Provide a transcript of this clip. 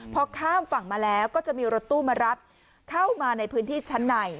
พอข้ามฝั่งมาแล้วก็จะมีรถตู้มารับเข้ามาในพื้นที่ชั้นใน